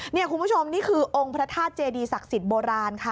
นี่คุณผู้ชมนี่คือองค์พระธาตุเจดีศักดิ์สิทธิ์โบราณค่ะ